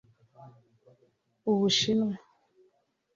u Bushinwa